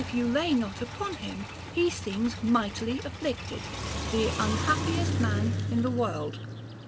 131 you lay not upon him, he seems mightily afflicted, the un happiest man in the world